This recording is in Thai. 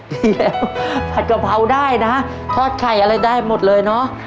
ดีแล้วผัดกะเพราได้นะทอดไข่อะไรได้หมดเลยเนอะ